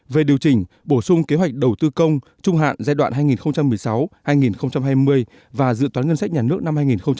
về điều chỉnh bổ sung kế hoạch đầu tư công trung hạn giai đoạn hai nghìn một mươi sáu hai nghìn hai mươi và dự toán ngân sách nhà nước năm hai nghìn hai mươi